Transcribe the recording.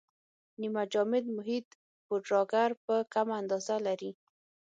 نیمه جامد محیط پوډراګر په کمه اندازه لري.